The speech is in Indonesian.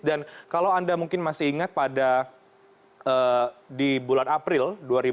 dan kalau anda mungkin masih ingat pada di bulan april dua ribu tujuh belas